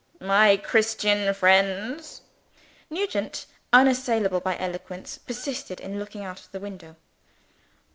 "My Christian friends " Nugent, unassailable by eloquence, persisted in looking out of the window.